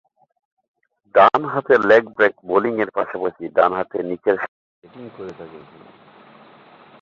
ডানহাতে leg break বোলিংয়ের পাশাপাশি ডানহাতে নিচেরসারিতে ব্যাটিং করে থাকেন তিনি।